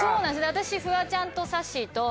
私フワちゃんとさっしーと。